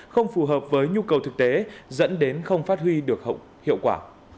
không phù hợp với nhu cầu thực tế dẫn đến không phát huy được hiệu quả